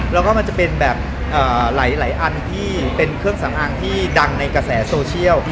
แล้วก็มันจะเป็นแบบหลายอันที่เป็นเครื่องสำอางที่ดังในกระแสโซเชียล